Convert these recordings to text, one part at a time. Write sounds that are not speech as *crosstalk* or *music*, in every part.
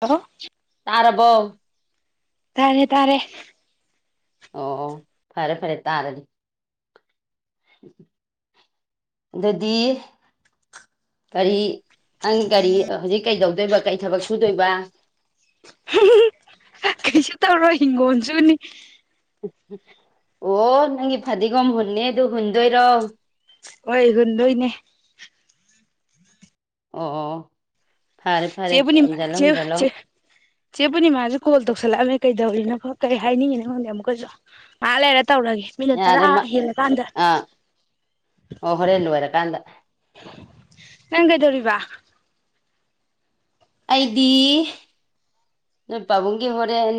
ꯍꯜꯣ ꯇꯥꯔꯔꯕꯣ ꯇꯥꯔꯦ ꯇꯥꯔꯦ ꯑꯣ ꯐꯔꯦ ꯐꯔꯦ ꯇꯥꯔꯗꯤ ꯑꯗꯨꯗꯤ ꯀꯔꯤ ꯑꯪꯒꯥꯔꯤ ꯍꯧꯖꯤꯛ ꯀꯩꯗꯧ ꯗꯣꯏꯕ ꯀꯩ ꯊꯕꯛ ꯁꯨꯗꯣꯏꯕ ꯁꯨ ꯇꯧꯔꯣ ꯍꯤꯡꯒꯣꯟꯁꯨꯅꯤ ꯑꯣ ꯅꯪꯒꯤ ꯐꯗꯤꯒꯣꯝ ꯍꯨꯟꯅꯅꯤ ꯑꯗꯨ ꯍꯨꯟꯗꯣꯏꯔꯣ ꯍꯣꯏ ꯍꯟ ꯅꯣꯏꯅꯦ ꯑ ꯆꯦꯕꯨ ꯃꯥ ꯆꯦ ꯆ ꯆꯦꯕꯨ ꯃꯥꯁꯨꯦ ꯀꯣꯜ ꯇꯣꯛꯁꯜꯂ ꯀꯩꯗꯧꯔꯤꯅꯕꯣ ꯀꯩ ꯍꯥꯏꯅꯤꯡꯉꯤꯅꯣ ꯈꯪꯗꯦ ꯑꯃꯨꯛꯀꯁꯨ ꯃꯥ ꯂꯩꯔ ꯇꯧꯔꯒꯦ ꯃꯤꯅꯠ ꯇꯔꯥ ꯌꯥꯅꯤꯃ ꯍꯦꯜꯂꯀꯥꯟꯗ ꯑ ꯑꯣꯍꯣꯔꯂꯨ ꯋꯥꯔꯀꯥꯟꯗ ꯅꯪ ꯀꯩꯗꯧꯔꯤꯕꯔꯤꯕ ꯑꯩꯗꯤ ꯅꯣꯏ ꯄꯥꯕꯨꯡꯒꯤ ꯍꯣꯔꯦꯟ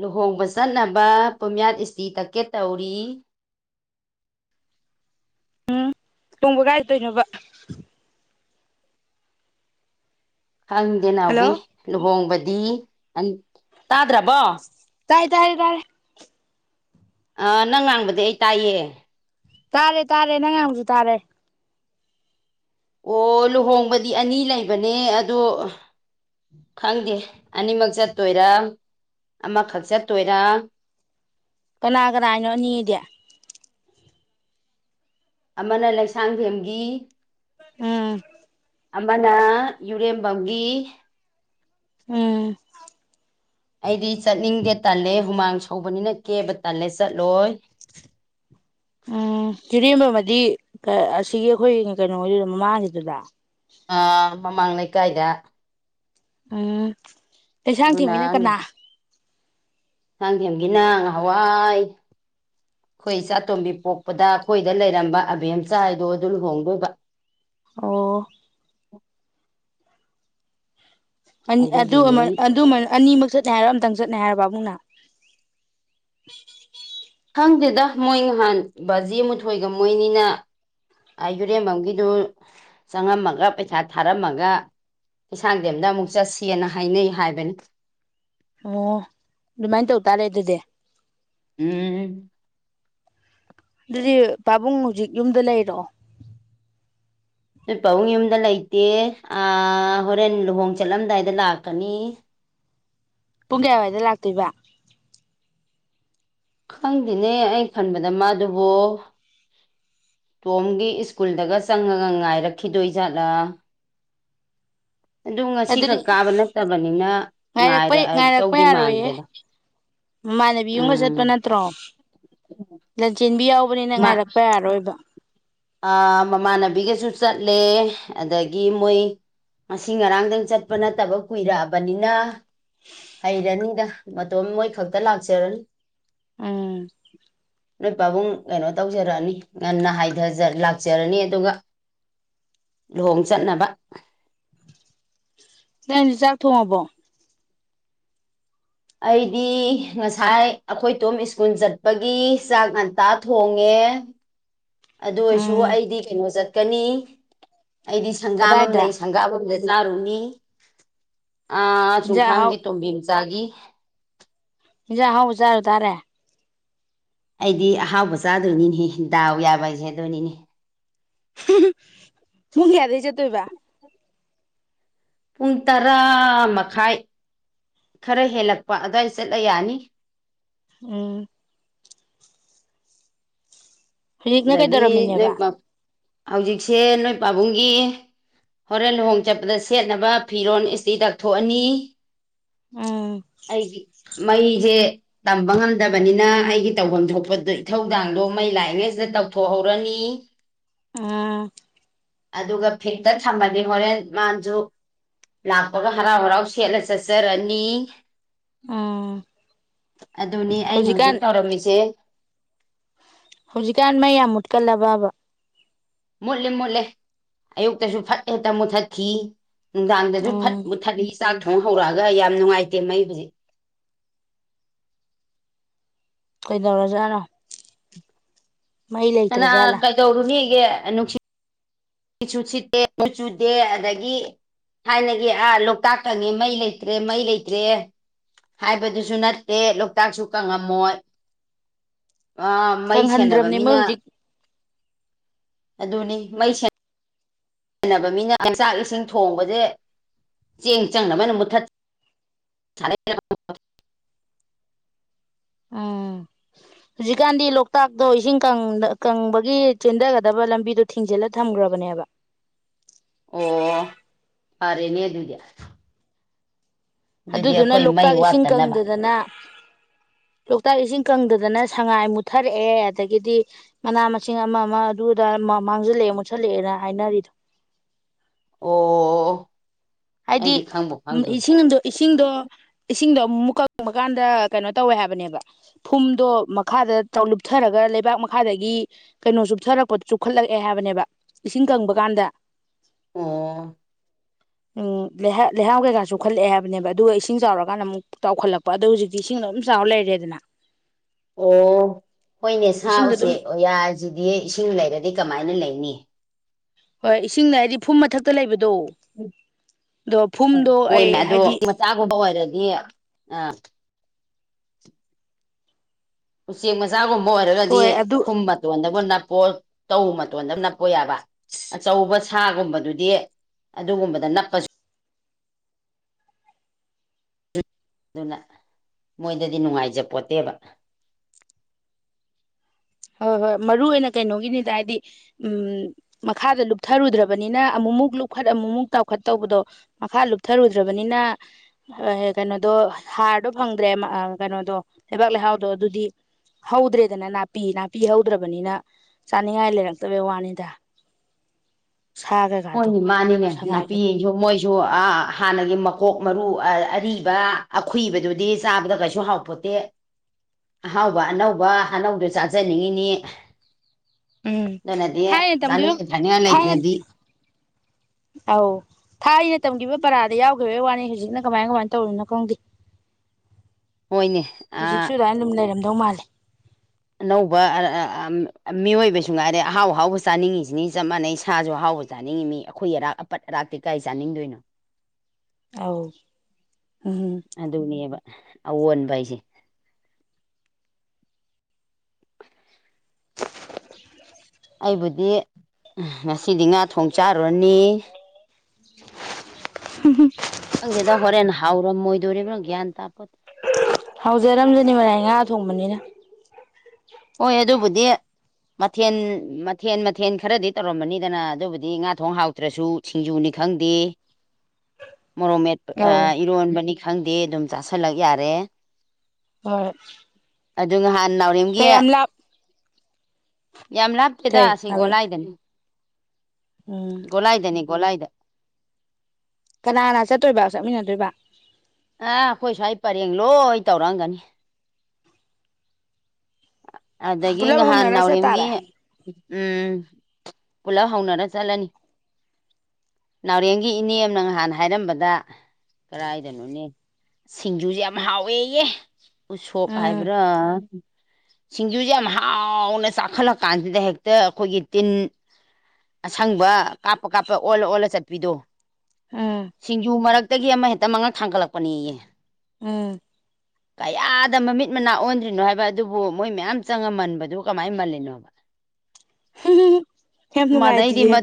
ꯂꯨꯍꯣꯡꯕ ꯆꯠꯅꯕ ꯄꯣꯌꯥꯠ ꯏꯁꯇꯤ ꯇꯛꯀꯦꯠ ꯇꯧꯔꯤ ꯎꯝ ꯇꯣꯡꯕ ꯀꯥꯏꯗꯣꯏꯅꯣꯕ ꯈꯪꯗꯦ ꯍꯜꯂꯣ ꯅꯥꯎꯕꯤ ꯂꯨꯍꯣꯡꯕꯗꯤ ꯗꯤ ꯇꯥꯗ꯭ꯔꯕꯣ ꯇꯥꯏ ꯇꯥꯏ ꯇꯥꯏꯔꯦ ꯑ ꯅꯪ ꯉꯥꯡꯕꯗꯤ ꯑꯩ ꯇꯥꯏꯌꯦ ꯇꯥꯔꯦ ꯇꯥꯔꯦ ꯅꯪ ꯉ ꯍꯧꯨꯛꯁꯨ ꯇꯥꯔꯦ ꯑꯣ ꯂꯨꯍꯣꯡꯕꯗꯤ ꯑꯅꯤ ꯂꯩꯕꯅꯦ ꯑꯗꯣ ꯈꯪꯗꯦ ꯑꯅꯤꯃꯛ ꯆꯠꯇꯣꯏꯔꯥ ꯑꯃꯈꯛ ꯆꯠꯇꯣꯏꯔꯥ ꯀꯅꯥ ꯀꯅꯥꯅꯣ ꯑꯅꯤꯗꯤ ꯑꯃꯅ ꯂꯩꯁꯥꯡꯊꯦꯝꯒꯤ ꯎꯝ ꯑꯃꯅ ꯌꯨꯔꯦꯝꯕꯝꯒꯤ ꯎꯝ ꯑꯩꯗꯤ ꯆꯠꯅꯤꯡꯗꯦ ꯇꯜꯂꯦ ꯍꯨꯃꯥꯡ ꯁꯧꯕꯅꯤꯅ ꯀꯦꯕ ꯇꯜꯂꯦ ꯆꯠꯂꯣꯏ ꯎꯝ ꯤꯔꯦꯝꯕ ꯑꯃꯗꯤꯗꯤ ꯑꯁꯤꯒꯤ ꯑꯩꯈꯣꯏ ꯀꯩꯅꯣꯗꯨꯗ ꯃꯃꯥꯡꯁꯤꯗꯨꯗ ꯑꯥ ꯃꯃꯥꯡ ꯂꯩꯀꯥꯏꯗ ꯑ ꯂꯩꯩꯁꯥꯡ ꯑꯗꯨꯅ ꯊꯦꯡꯃꯤꯅ ꯀꯅꯥ ꯉꯥꯡꯊꯦꯝꯒꯤ ꯅꯥꯡ ꯍꯋꯥꯏ ꯑꯩꯈꯣꯏꯆꯥꯇꯣꯝꯕꯤ ꯄꯣꯛꯄꯗ ꯑꯩꯈꯣꯏꯗ ꯂꯩꯔꯝꯕ ꯑꯕꯦꯝ ꯆꯥꯏꯗꯣ ꯑꯗꯨ ꯂꯨꯍꯣꯡꯗꯣꯏꯕ ꯑꯣ ꯑꯗꯨꯒꯤꯅꯤ ꯑꯅꯤꯃꯛ ꯆꯠꯅꯤ ꯍꯥꯏꯔꯣ ꯑꯝꯇꯪ ꯆ ꯆꯠꯅ ꯍꯥꯏꯔꯕ ꯑꯃꯨꯛꯅ ꯈꯪꯗꯦꯗ ꯃꯣꯏ ꯅꯍꯥꯟ ꯕꯥꯖꯤ ꯃꯥꯊꯣꯏꯒ ꯃꯣꯏꯅꯤꯅ ꯌꯨꯔꯦꯝꯕꯝꯒꯤꯗꯨ ꯆꯪꯉꯝꯃꯒ ꯄꯩꯁꯥ ꯊꯥꯔꯝꯃꯒ ꯀꯩꯁꯥꯡꯗꯦꯝꯦꯝꯗ ꯑꯃꯨꯛ ꯆꯠꯁꯤꯦꯅ ꯍꯥꯏꯅꯩ ꯍꯥꯏꯕꯅꯤ ꯑꯣ ꯑꯗꯨꯃꯥꯏꯅ ꯇꯧꯇꯥꯥꯔꯦ ꯑꯗꯨꯗꯤ ꯎꯝ ꯑꯗꯨꯗꯤ ꯄꯥꯕꯨꯡ ꯍꯧꯖꯤꯛ ꯌꯨꯝꯗ ꯂꯩꯔꯣ ꯅꯣꯏ ꯄꯕꯨꯡ ꯌꯨꯝꯗ ꯂꯩꯇꯦ ꯍꯣꯔꯦꯟ ꯂꯨꯍꯣꯡ ꯆꯠꯂꯝꯗꯥꯏꯗ ꯂꯥꯛꯀꯅꯤ ꯄꯨꯡ ꯀꯌꯥꯋꯥꯏꯗ ꯂꯥꯛꯇꯣꯏꯕ ꯈꯪꯗꯦꯅꯦ ꯑꯩ ꯈꯟꯕꯗ ꯃꯥꯗꯨꯕꯨ ꯇꯣꯝꯒꯤ ꯁ꯭ꯀꯨꯜꯗꯒ ꯆꯪꯉꯒ ꯉꯥꯏꯔꯛꯈꯤꯗꯣꯏꯖꯥꯠꯂꯥ ꯑꯗꯨꯗꯤ ꯀꯥꯕ ꯅꯠꯇꯕꯅꯤꯅ ꯉꯥꯏꯔꯛꯄ ꯉꯥꯏꯔꯛꯄ ꯉꯥꯏꯔꯛꯇꯧꯗꯤ ꯌꯥꯔꯣꯏꯌꯦ ꯃꯥꯟꯗ꯭ꯔꯦꯗ ꯃꯃꯥꯟꯅꯕꯤ ꯌꯨꯝꯕ ꯆꯠꯄ ꯎꯝ ꯅꯠꯇ꯭ꯔꯣ ꯂꯟꯆꯦꯟꯕꯤ ꯌꯥꯎꯕꯅꯤꯅ ꯃꯥ ꯉꯥꯏꯔꯛꯄ ꯌꯥꯔꯣꯏꯕ ꯃꯃꯥꯟꯅꯕꯤꯒꯁꯨ ꯆꯠꯂꯦ ꯑꯗꯒꯤ ꯃꯣꯏ ꯉꯁꯤ ꯉꯔꯥꯡꯗꯪ ꯆꯠꯄ ꯅꯠꯇꯕ ꯀꯨꯏꯔꯛꯑꯕꯅꯤꯅ ꯍꯩꯔꯅꯤꯗ ꯃꯇꯣꯝ ꯃꯣꯏ ꯈꯛꯇ ꯂꯥꯛꯆꯔꯅꯤ ꯎꯝ ꯅꯣꯏ ꯄꯥꯕꯨꯡ ꯀꯩꯅꯣ ꯇꯧꯖꯔꯛꯑꯅꯤ ꯉꯟꯅ ꯍꯥꯏ ꯂꯥꯛꯆꯔꯅꯤ ꯑꯗꯨꯒ ꯂꯨꯍꯣꯡ ꯆꯠꯅꯕ ꯅ ꯆꯥꯛ ꯊꯣꯡꯉꯕꯣ ꯑꯩꯗꯤ ꯉꯁꯥꯏ ꯑꯩꯈꯣꯏꯇꯣꯝ ꯁ꯭ꯀꯨꯜ ꯆꯠꯄꯒꯤ ꯆꯥꯛ ꯉꯟꯇꯥ ꯊꯣꯡꯉꯦ ꯑꯗꯨ ꯑꯣꯏꯔꯁꯨ ꯎꯝ ꯑꯩꯗꯤ ꯀꯩꯅꯣ ꯆꯠ ꯀꯅꯤ ꯑꯩꯗꯤ ꯁꯪꯒꯥꯕꯝꯪ ꯂꯩ ꯀꯗꯥꯏꯗ ꯁꯪꯒꯥꯕꯝꯗ ꯂꯔꯨꯃꯤ ꯑꯥ ꯆꯨ ꯏꯟꯖꯥꯡ ꯑꯍꯥꯎ ꯈꯥꯡꯒꯤ ꯇ ꯒꯤ ꯍꯤꯟꯖꯥꯡ ꯑꯍꯥꯎꯕ ꯍꯧ ꯆꯥꯔꯨ ꯇꯥꯔꯦ ꯑꯩꯗꯤ ꯑꯍꯥꯎꯕ ꯆꯥꯗꯣꯏꯅꯤꯅꯦ ꯗꯥꯎ ꯌꯥꯕ ꯍꯥꯏꯁꯦ ꯑꯗꯨꯅꯤꯅꯦ ꯄꯨꯡ ꯀꯌꯥꯗꯩ ꯆꯠꯇꯣꯏꯕ ꯄꯨꯡ ꯇꯔꯥ ꯃꯈꯥꯏ ꯈꯔ ꯍꯦꯜꯂꯛꯄ ꯑꯗꯨꯋꯥꯏ ꯆꯠꯂ ꯌꯥꯅꯤ ꯎꯝ ꯍꯧꯖꯤꯛꯅ ꯑꯗꯒꯤ ꯀꯩꯗꯧꯔꯝꯃꯤꯅꯦꯕ ꯅꯣꯏ ꯍꯧꯖꯤꯛꯁꯦ ꯅꯣꯏ ꯄꯥꯕꯨꯡꯒꯤ ꯍꯣꯔꯦꯟ ꯂꯨꯍꯣꯡ ꯆꯠꯄꯗ ꯁꯦꯠꯅꯕ ꯐꯤꯔꯣꯜ ꯏꯁꯇꯤ ꯇꯛꯊꯣꯛꯑꯅꯤ ꯎꯝ ꯑꯩꯒꯤ ꯃꯩꯁꯦ ꯇꯝꯕ ꯉꯝꯗꯕꯅꯤꯅ ꯑꯩꯒꯤ ꯇꯧꯐꯝ ꯊꯣꯛꯄꯗ ꯏꯊꯧꯗꯥꯡꯗꯣ ꯃꯩ ꯂꯥꯛꯉꯩ ꯁꯤꯗ ꯇꯧꯊꯣꯛꯍꯧꯔꯅꯤ ꯎꯝ ꯑꯗꯨꯒ ꯐꯤꯠꯇ ꯊꯝꯃꯗꯤ ꯍꯣꯔꯦꯟ ꯃꯥꯅꯁꯨ ꯂꯥꯛꯄꯒ ꯍꯔꯥꯎ ꯍꯔꯥꯎ ꯁꯦꯠꯂ ꯆꯠꯆꯔꯅꯤ ꯎꯝ ꯑꯗꯨꯅꯦ ꯑꯩꯅ ꯍꯧꯖꯤꯛꯀꯥꯟ ꯍꯧꯖꯤꯛ ꯇꯧꯔꯝꯃꯤꯁꯦ ꯍꯧꯖꯤꯛꯀꯥꯟ ꯃꯩ ꯌꯥꯝ ꯃꯨꯠꯀꯜꯂꯕꯕ ꯃꯨꯠꯂꯦ ꯃꯨꯠꯂꯦ ꯑꯌꯨꯛꯇꯁꯨ ꯐꯠ ꯍꯦꯛꯇ ꯃꯨꯊꯠꯈꯤ ꯅꯨꯡꯗꯥꯡꯗꯖꯨ ꯐꯠ ꯎꯝ ꯃꯨꯊꯠꯂꯤ ꯆꯥꯛ ꯊꯣꯡ ꯍꯧꯔꯛꯑꯒ ꯌꯥꯝ ꯅꯨꯡꯉꯥꯏꯇꯦ ꯃꯩ ꯍꯨꯖꯤꯛ ꯀꯩꯗꯧꯔꯖꯥꯠꯅꯣ ꯃꯩ ꯀꯅꯥ ꯂꯩꯇ꯭ꯔꯖꯥꯠꯂꯥ ꯀꯩꯗꯧꯔꯨꯅꯤ ꯀ ꯅꯨꯡꯁꯤ ꯁꯨ ꯁꯤꯠꯇꯦꯨ ꯆꯨꯗꯦ ꯑꯗꯒꯤ ꯊꯥꯏꯅꯒꯤ ꯑꯥ ꯂꯣꯛꯇꯥꯛ ꯀꯪꯉꯦ ꯃꯩ ꯂꯩꯇ꯭ꯔꯦ ꯃꯩ ꯂꯩꯇ꯭ꯔꯦ ꯍꯥꯏꯕꯗꯨꯁꯨ ꯅꯠꯇꯦ ꯂꯣꯛꯇꯥꯛꯁꯨ ꯀꯪꯉꯝꯃꯣꯏ ꯑ ꯃꯩ ꯁꯦꯟꯅꯕ ꯀꯪꯍꯟꯗ꯭ꯔꯕꯅꯦ ꯃꯣꯏ ꯃꯤꯅ ꯍꯧꯖꯤꯛ ꯑꯗꯨꯅꯤ ꯃꯩꯁ ꯁꯅꯕ ꯃꯤꯅ ꯑꯩ ꯆꯥꯛ ꯏꯁꯤꯡ ꯊꯣꯡꯕꯁꯦ ꯆꯦꯡ ꯆꯪꯅꯕꯅ ꯃꯨꯠꯊꯠ ꯎꯝ ꯍꯧꯖꯤꯛꯀꯥꯟꯗꯤ ꯂꯣꯛꯇꯥꯛꯇꯣ ꯏꯁꯤꯡ ꯀꯪꯕꯒꯤ ꯆꯦꯟꯊꯒꯗꯕ ꯂꯝꯕꯤꯗꯣ ꯊꯤꯡꯖꯤꯜꯂ ꯊꯝꯈ꯭ꯔꯕꯅꯦꯕ ꯑꯣ ꯐꯔꯅꯤ ꯑꯗꯨꯗꯤ ꯑꯗꯨꯗꯤ ꯑꯗꯨꯗꯨꯅ ꯑꯩꯈꯣꯏ ꯃꯩ ꯂꯣꯛꯇꯥꯛ ꯏꯁꯤꯡ ꯋꯥꯠꯇꯅꯕ ꯀꯪꯗꯗꯅ ꯂꯣꯛꯇꯥꯛ ꯏꯁꯤꯡ ꯀꯪꯗꯗꯅ ꯑꯗꯨꯅ ꯁꯉꯥꯏ ꯃꯨꯠꯊꯔꯛꯑꯦ ꯑꯗꯒꯤꯗꯤ ꯃꯅꯥ ꯃꯁꯤꯡ ꯑꯃ ꯑꯃ ꯑꯗꯨꯗ ꯃꯥꯡꯁꯤꯜꯂꯛꯑꯦ ꯃꯨꯠꯁꯜꯂꯛꯑꯦꯅ ꯍꯥꯏꯅꯔꯤꯗꯣ ꯑꯣ ꯍꯥꯏꯗꯤ ꯑꯩꯗꯤ ꯈꯪꯕꯨ ꯈꯪꯗ꯭ꯔꯦ ꯏꯁꯤꯡꯅꯨꯡꯗꯣ ꯏꯁꯤꯡ ꯏꯁꯤꯡꯗꯣ ꯏꯁꯤꯡꯗꯣ ꯑꯃꯨꯛ ꯀꯪꯕ ꯀꯥꯟꯗ ꯀꯩꯅꯣ ꯇꯧꯋꯦ ꯍꯥꯏꯕꯅꯦꯕ ꯐꯨꯝꯗꯣ ꯃꯈꯥꯗ ꯂꯨꯞꯊꯔꯒ ꯂꯩꯕꯥꯛ ꯃꯈꯥꯗꯒꯤ ꯀꯩꯅꯣ ꯆꯨꯞꯊꯔꯛꯄꯗ ꯆꯨꯞꯈꯠꯂꯛꯑꯦ ꯍꯥꯏꯕꯅꯦꯕ ꯏꯁꯤꯡ ꯀꯪꯕ ꯀꯥꯟꯗ ꯑ ꯎꯝ ꯂꯩꯍꯥꯎ ꯀꯩꯀꯥꯁꯨꯈꯠꯂꯛꯑꯦ ꯍꯥꯏꯕꯅꯦꯕ ꯑꯗꯨꯒ ꯏꯁꯤꯡ ꯆꯥꯎꯔꯀꯥꯟꯗ ꯑꯃꯨꯛ ꯆꯥꯎꯈꯠꯂꯛꯄ ꯑꯗꯨꯗ ꯍꯧꯖꯤꯛꯇꯤ ꯏꯁꯤꯡꯗ ꯑꯗꯨꯝ ꯆꯥꯎꯔ ꯂꯩꯔꯦꯗꯅ ꯑꯣ ꯍꯣꯏꯅꯦ ꯁꯥ ꯏꯁꯤꯡꯗꯣ ꯑꯗꯨꯝ ꯎꯆꯦꯛ ꯑꯣꯌꯥꯁꯤꯗꯤ ꯏꯁꯤꯡ ꯂꯩꯔꯗꯤ ꯀꯃꯥꯏꯅ ꯂꯩꯅꯤ ꯍꯣꯏ ꯏꯁꯤꯡꯅ ꯍꯥꯏꯗꯤ ꯐꯨꯝ ꯃꯊꯛꯇ ꯂꯩꯕꯗ ꯎ ꯍꯣꯏ ꯃ ꯑꯩ ꯑꯗꯣ ꯍꯥꯏꯗꯤ ꯃꯆꯥꯒꯨꯝꯕ ꯑꯣꯏꯔꯗꯤ ꯌꯦꯌꯦ ꯑ ꯎ ꯎꯆꯁꯤ ꯃꯁ ꯆꯥꯒꯨꯝꯕ ꯑꯣꯏꯔꯒꯗꯤ ꯍꯣꯏ ꯑꯗꯨ ꯐꯨꯝ ꯃꯇꯣꯟꯗꯕꯨ ꯅꯞ ꯄꯣꯠ ꯇꯧ ꯃꯇꯣꯟꯗ ꯅꯞꯄ ꯌꯥꯕ ꯑꯆꯧꯕ ꯁꯥꯒꯨꯝꯕꯗꯨꯗꯤ ꯑꯗꯨꯒꯨꯝꯕꯗ ꯅꯞꯄꯁꯨ ꯑꯗꯨꯅ ꯃꯣꯏꯗꯗꯤ ꯅꯨꯡꯉꯥꯏꯖꯄꯣꯠꯇꯦꯕ ꯍꯣꯏ ꯍꯣꯏ ꯃꯔꯨ ꯑꯣꯏꯅ ꯀꯩꯅꯣꯒꯤꯅꯤꯗ ꯍꯥꯏꯗꯤ ꯎꯝ ꯃꯈꯥꯗ ꯂꯨꯞꯊꯔꯨꯗ꯭ꯔꯕꯅꯤꯅ ꯑꯃꯨꯛꯃꯨꯛ ꯂꯨꯞꯈꯠ ꯑꯃꯨꯛꯃꯨꯛ ꯇꯥꯎꯈꯠ ꯇꯧꯕꯗꯣ ꯃꯈꯥ ꯂꯨꯞꯊꯔꯨꯗ꯭ꯔꯕꯅꯤꯅ ꯀꯩꯅꯣꯗꯣ ꯍꯥꯔꯗꯣ ꯐꯪꯗ꯭ꯔꯦ ꯀꯩꯅꯣꯗꯣ ꯂꯩꯕꯥꯛ ꯂꯩꯍꯥꯎꯗꯣ ꯑꯗꯨꯗꯤ ꯍꯧꯗ꯭ꯔꯦꯗꯅ ꯅꯥ ꯄꯄꯤ ꯅꯥꯄꯤꯍꯧꯗ꯭ꯔꯕꯅꯤꯅ ꯆꯥꯅꯤꯡꯉꯥꯏ ꯂꯩꯔꯛꯇꯕꯩ ꯋꯥꯅꯤꯗ ꯁꯥ ꯀꯩꯀꯥꯗꯣ ꯍꯣꯏꯅꯦ ꯃꯥꯅꯤꯅꯦ ꯁꯉꯥꯏ ꯀꯩꯀꯥꯗꯣ ꯅꯥꯄꯤꯁꯨ ꯃꯣꯏꯁꯨ ꯑ ꯍꯥꯟꯅꯒꯤ ꯃꯀꯣꯛ ꯃꯔꯨ ꯑꯔꯤꯕ ꯑꯈꯣꯏꯏꯕꯗꯨꯗꯤ ꯆꯥꯕꯗ ꯀꯩꯁꯨ ꯍꯥꯎꯄꯣꯠꯇꯦ ꯑꯍꯥꯎꯕ ꯑꯅꯧꯕ ꯑꯅꯧꯗꯣ ꯆꯥꯖꯅꯤꯡꯉꯤꯅꯤ ꯎꯝ ꯑꯗꯨꯅꯗꯤ ꯊꯥꯏ ꯇ ꯀ ꯆꯥꯅꯤꯡꯉ ꯊꯛꯅꯤꯡꯉ ꯊ ꯂꯩꯇ꯭ꯔꯗꯤ ꯑꯧ ꯊꯥꯏ ꯇꯝꯈꯤꯕ ꯄꯔꯥꯗ ꯌꯥꯎꯈꯤꯕꯒꯤ ꯋꯥꯅꯤ ꯍꯧꯖꯤꯛꯅ ꯀꯃꯥꯏ ꯀꯃꯥꯏꯅ ꯇꯧꯔꯤꯅꯣ ꯈꯪꯗꯦ ꯍꯣꯏꯅꯦ ꯑꯥ ꯍꯧꯖꯤꯛꯁꯨ ꯑꯗꯨꯅ ꯑꯗꯨꯝ ꯂꯩꯔꯝꯗ ꯗꯧ ꯃꯥꯂꯜꯂꯤ ꯑꯅꯧꯕ ꯃꯤꯑꯣꯏꯕꯁꯨ ꯉꯥꯏꯔꯦ ꯑꯍꯥꯎ ꯑꯍꯥꯎꯕ ꯆꯥꯅꯤꯡꯉꯤꯁꯤꯅꯤ ꯆꯞ ꯃꯥꯟꯅꯩ ꯁꯥꯁꯨ ꯑꯍꯥꯎꯕ ꯆꯥꯅꯤꯡꯉꯤ ꯃꯤ ꯑꯩꯈꯣꯏ ꯑꯔꯥꯛ ꯑꯄꯠ ꯑꯔꯥꯛꯇꯤ ꯀꯥꯏ ꯆꯥꯅꯤꯡꯗꯣꯏꯅꯣ ꯑꯥꯎ ꯎꯝ ꯑꯗꯨꯅꯦꯕ ꯑꯑꯣꯟꯕ ꯍꯥꯏꯁꯦ ꯑꯩꯕꯨꯗꯤ ꯎ ꯁꯤꯗꯤ ꯉꯥ ꯊꯣꯡ ꯆꯥꯔꯨꯔꯅꯤ ꯍ ꯅꯪꯗꯦꯗ ꯍꯣꯔꯦꯟ ꯍꯥꯎꯔꯝꯃꯣꯏꯗꯣꯔꯤꯕ꯭ꯔꯥ ꯒ꯭ꯌꯥꯟ ꯇꯥꯄ ꯍꯧꯖꯔꯝꯖꯅꯤ ꯃꯥꯏ ꯉꯥ ꯊꯣꯡꯕꯅꯤꯅ ꯍꯣꯏ ꯑꯗꯨꯕꯨꯗꯤ ꯃꯊꯦꯜ ꯃꯊꯦꯟ ꯃꯊꯦꯜ ꯈꯔꯗꯤ ꯇꯧꯔꯝꯕꯅꯤꯗꯅ ꯑꯗꯨꯕꯨꯗꯤ ꯉꯥ ꯊꯣꯡ ꯍꯥꯎꯇ꯭ꯔꯁꯨ ꯁꯤꯡꯖꯨꯅꯤ ꯈꯪꯗꯦ ꯃꯣꯔꯣꯃꯦꯦꯠ ꯑ ꯑꯧ ꯏꯔꯣꯟꯕꯅꯤ ꯈꯪꯗꯦ ꯑꯗꯨꯝ ꯆꯥꯥꯁꯜꯂꯛ ꯌꯥꯔꯦ ꯍꯣꯏ ꯑꯗꯨ ꯅꯥꯎꯔꯦꯝꯒꯤ ꯀꯌꯥꯝ ꯂꯥꯞ ꯌꯥꯝ ꯂꯥꯞꯇꯦꯗ ꯀꯩ ꯍꯥꯏꯕ ꯑꯁꯤꯒꯣꯂꯥꯏꯗꯅꯦ ꯎꯝ ꯣꯂꯥꯏꯗ ꯀꯅꯥ ꯀꯅꯥ ꯆꯠꯇꯣꯏꯕ ꯆꯠꯃꯤꯟꯅꯗꯣꯏꯕ ꯑ ꯑꯩꯈꯣꯏ ꯁ꯭ꯋꯥꯏ ꯄꯔꯦꯡ ꯂꯣꯏ ꯑꯩ ꯇꯧꯔꯛꯑꯝꯒꯅꯤ ꯑꯗꯒꯤ ꯄꯨꯂꯞ ꯉꯍꯥꯟ ꯍꯧꯅꯔ ꯆꯠ ꯅꯥꯎꯔꯦꯝꯒꯤ ꯇꯥꯔꯦ ꯎꯝ ꯄꯨꯂꯞ ꯍꯧꯅꯔ ꯆꯠꯂꯅꯤ ꯅꯥꯎꯔꯦꯝꯒꯤ ꯏꯅꯦ ꯑꯃꯅ ꯉꯍꯥꯟ ꯍꯥꯏꯔꯝꯕꯗ ꯀꯥꯏꯗꯅꯣꯅꯦ ꯁꯤꯡꯖꯨꯁꯦ ꯌꯥꯝ ꯍꯥꯎꯋꯦꯍ ꯎꯁꯣꯞ ꯎꯝ ꯍꯥꯏꯕ꯭ꯔꯥ ꯁꯤꯡꯖꯨꯁꯦ ꯌꯥꯝ ꯍꯥꯎꯅ ꯆꯥꯛꯈꯠꯂꯛ ꯀꯥꯟꯁꯤꯗ ꯍꯦꯛꯇ ꯑꯩꯈꯣꯏꯒꯤ ꯇꯤꯟ ꯑꯁꯪꯕ ꯀꯥꯞꯄ ꯀꯥꯞꯄ ꯑꯣꯜꯂ ꯑꯣꯜꯂ ꯆꯠꯄꯤꯗꯣ ꯎꯝ ꯁꯤꯡꯖꯨ ꯃꯔꯛ ꯇꯒꯤ ꯑꯃꯦꯛꯇ ꯃꯉꯥ ꯊꯥꯡꯒꯠꯂꯛꯄ ꯄꯅꯤꯦ ꯎꯝ ꯀꯌꯥꯗ ꯃꯃꯤꯠ ꯃꯅꯥ ꯑꯣꯟꯗ꯭ꯔꯤꯅꯣ ꯍꯥꯏꯕ ꯑꯗꯨꯕꯨ ꯃꯣꯏ ꯃꯌꯥꯝ ꯆꯪꯉ ꯃꯟꯕꯗꯨ ꯀꯃꯥꯏꯅ ꯃꯜꯂꯤꯅꯣꯕ ꯍ ꯃꯥꯗꯩꯗꯤ ꯃ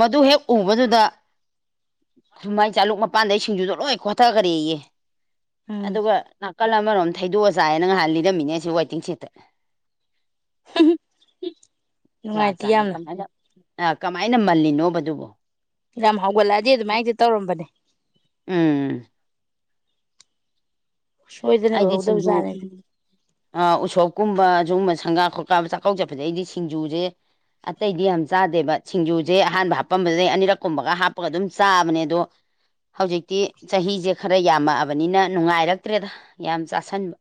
ꯃꯗꯨ ꯍꯦ ꯎꯕꯗꯨꯗ ꯁꯨꯃꯥꯏ ꯆꯥꯂꯨꯛ ꯃꯄꯥꯟꯗꯩ ꯁꯤꯡꯖꯨꯗ ꯂꯣꯏ ꯈꯣꯊꯈꯔꯦ ꯑꯩꯌꯦ ꯎꯝ ꯑꯗꯨꯒꯒ ꯀꯜ ꯑꯃꯔꯣꯝ ꯊꯩꯗꯣꯛꯑ ꯆꯥꯏꯌꯦꯅ ꯉꯥꯏꯍꯥꯟ ꯂꯤꯔꯝꯃꯤꯅꯦ ꯁꯤ ꯋꯦꯇꯤꯡ ꯁꯤꯠꯇ ꯖꯥꯠ ꯅꯨꯡꯉꯥꯏꯇꯦ ꯖꯥꯠꯅꯤ ꯌꯥꯝꯅ ꯀꯃꯥꯏꯅ ꯑ ꯀꯃꯥꯏꯅ ꯃꯜꯂꯤꯅꯣꯕꯗꯨꯕꯣ ꯌꯥꯝꯔ ꯍꯧꯒꯠꯂꯛꯑꯗꯤꯦ ꯑꯗꯨꯃꯥꯏꯅꯗꯤ ꯇꯧꯔꯝꯕꯅꯦ ꯎꯝ ꯁꯣꯏꯗꯅ ꯑꯩꯗꯤ ꯎꯍꯧꯗꯕ ꯁꯤꯡꯖꯨ ꯖꯥꯠꯅꯦꯅꯦ ꯎꯁꯣꯞꯀꯨꯝꯕ ꯁꯒꯨꯝꯕ ꯁꯪꯒꯥ ꯈꯣꯠꯀꯕ ꯆꯥꯛꯀꯧ ꯆꯠꯄꯗꯩ ꯑꯩꯗꯤ ꯁꯤꯡꯖꯨꯁꯦ ꯑꯇꯩꯗꯤ ꯌꯥꯝ ꯆꯥꯗꯦꯕ ꯁꯤꯡꯖꯨꯁꯦ ꯑꯍꯥꯟꯕ ꯍꯥꯞꯄꯝꯕꯗꯩ ꯑꯅꯤꯔꯛ ꯀꯨꯝꯕꯒ ꯍꯥꯞꯄꯒ ꯑꯗꯨꯝ ꯆꯥꯕꯅꯦ ꯑꯗꯣ ꯍꯧꯖꯤꯛꯇꯤ ꯆꯍꯤꯁꯦ ꯈꯔ ꯌꯥꯝꯃꯛꯑꯕꯅꯤꯅ ꯅꯨꯡꯉꯥꯏꯔꯛꯇ꯭ꯔꯦꯗ ꯌꯥꯝ ꯆꯥꯁꯟꯕ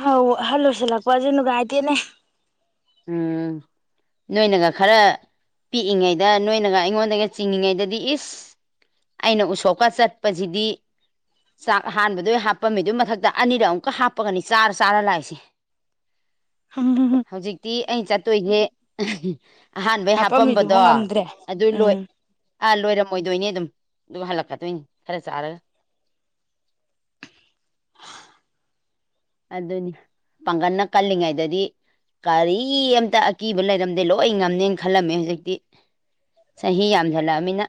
ꯍꯥꯎ ꯍꯜꯂꯣꯁꯂ ꯀꯋꯥꯖꯅꯒꯥꯏꯇꯦꯅꯦ ꯎꯝ ꯅꯣꯏꯅꯒ ꯈꯔ ꯄꯤꯛꯏꯉꯩꯗ ꯅꯣꯏꯅꯒ ꯑꯩꯉꯣꯟꯗꯒ ꯆꯤꯡꯉꯤꯉꯩꯗꯗꯤ ꯏꯁ ꯑꯩꯅ ꯎꯁꯣꯞꯀ ꯆꯠꯄꯁꯤꯗꯤ ꯆꯥꯛ ꯍꯥꯟꯕꯗ ꯍꯥꯞꯄꯝꯃꯤꯗꯨꯏ ꯃꯊꯛꯇ ꯑꯅꯤꯔ ꯑꯃꯨꯛꯀ ꯍꯥꯞꯄꯒꯅꯤ ꯆꯥꯔ ꯆꯥꯔ ꯂꯥꯛꯏꯁꯦ ꯍ ꯇꯤ ꯑꯩ ꯆꯠꯇꯣꯏꯖꯦ ꯑꯍꯥꯟꯕꯩ ꯍꯥꯄꯝꯕꯗꯣ ꯍꯥꯄꯝꯃꯤꯗꯨꯕꯨ ꯉꯝꯗ꯭ꯔꯦ ꯑꯗꯨ ꯂꯣꯏ ꯎꯝ ꯑꯥ ꯂꯣꯏꯔꯝꯃꯣꯏꯗꯣꯏꯅꯤ ꯑꯗꯨꯝ ꯑꯗꯨꯃ ꯍꯥ ꯂꯛꯀꯥꯗꯣꯏꯅꯤ ꯈꯔ ꯆꯔꯒ ꯑꯗꯨꯅꯤ ꯄꯥꯡꯒꯜꯅ ꯀꯜꯂꯤꯉꯩꯗꯗꯤ ꯀꯔꯤ ꯑꯃꯝꯇ ꯑꯀꯤꯕ ꯂꯩꯔꯝꯗꯦ ꯂꯣꯏ ꯉꯝꯅꯦꯅ ꯈꯜꯂꯝꯃꯦ ꯍꯧꯖꯤꯛꯇꯤ ꯆꯍꯤ ꯌꯥꯝꯖꯜꯂꯛꯑꯅꯤꯅ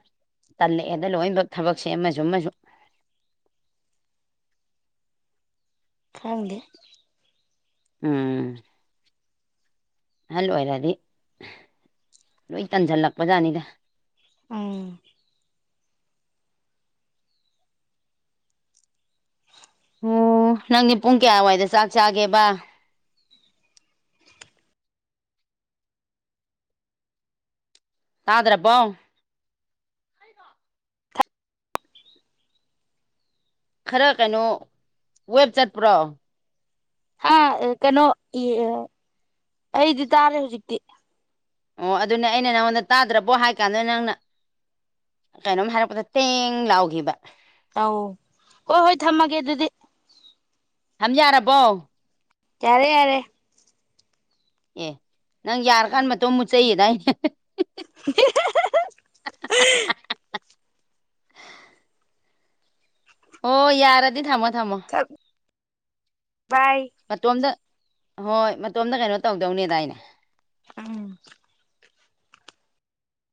ꯇꯜꯂꯛꯑꯦꯗ ꯂꯣꯏꯅꯃꯛ ꯊꯕꯛꯁꯦ ꯑꯃꯁꯨ ꯑꯃꯁꯨ ꯈꯪꯗꯦ ꯎꯝ ꯑꯍꯜ ꯑꯣꯏꯔꯗꯤ ꯂꯣꯏ ꯇꯟꯁꯤꯜꯂꯛꯄꯖꯥꯠꯅꯤꯗ ꯎꯥ ꯑꯣ ꯅꯪꯗꯤ ꯄꯨꯡ ꯀꯌꯥꯋꯥꯏꯗ ꯆꯥꯛ ꯆꯥꯒꯦꯕ ꯇꯥꯗꯨꯔꯄꯣ ꯈꯔ ꯀꯩꯅꯣ ꯋꯦꯕ ꯆꯠꯄ꯭ꯔꯣ ꯑ ꯀꯩꯅꯣ ꯑꯩꯗꯤ ꯇꯥꯔꯦ ꯍꯧꯖꯤꯛꯇꯤ ꯑꯣ ꯑꯗꯨꯅꯦ ꯑꯩꯅ ꯅꯪꯉꯣꯟꯗ ꯇꯥꯗ꯭ꯔꯕꯣ ꯍꯥꯏ ꯀꯥꯟꯗ ꯅꯪꯅ ꯀꯩꯅꯣꯝ ꯍꯥꯏꯔꯛꯄꯗ ꯇꯦꯡ ꯂꯥꯎꯈꯤꯕ ꯑꯧ ꯍꯣꯏ ꯍꯣꯏ ꯊꯝꯃꯒꯦ ꯑꯗꯨꯗꯤ ꯊꯝ ꯌꯥꯔꯕꯣ ꯌꯥꯔꯦ ꯌꯥꯔꯦ ꯑꯦ ꯅꯪ ꯌꯥꯔꯀꯥꯟ ꯃꯇꯣ ꯃꯨꯠꯆꯩꯌꯦꯗꯏꯅꯦ *unintelligible* ꯑꯣ ꯌꯥꯔꯗꯤ ꯊꯃꯣ ꯊꯝꯃꯣ ꯊꯝ ꯕꯥꯏ ꯃꯇꯣꯝꯗ ꯍꯣꯏ ꯃꯇꯣꯝꯇ ꯀꯩꯅꯣ ꯇꯧꯗꯧꯅꯦꯗꯥꯏꯅꯦ ꯎꯝ